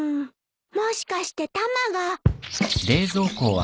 もしかしてタマが。